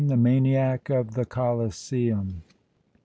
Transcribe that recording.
THE MANIAC OF THE COLOSSEUM.